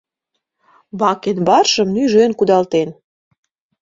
Бакенбардшым нӱжен кудалтен.